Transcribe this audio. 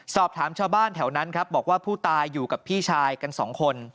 สอบถามชาวบ้านแถวนั้นครับบอกว่าผู้ตายอยู่กับพี่ชายกันสองคน